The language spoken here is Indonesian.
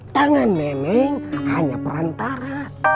tangan memang hanya perantara